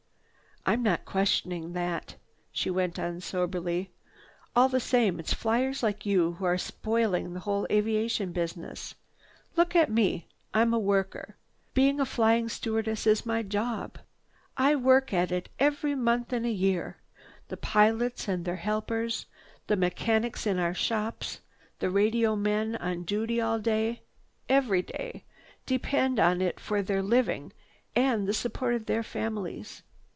"I'm not questioning that," she went on soberly. "All the same, it's flyers like you who are spoiling this whole aviation business. Look at me—I'm a worker. Being a flying stewardess is my job. I work at it every month in the year. The pilots and their helpers, the mechanics in our shops, the radio men on duty all day, every day, depend on it for their living and the support of their families.